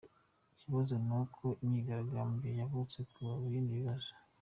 Ikibazo ni uko imyigaragambyo yavutse ku bindi bibazo.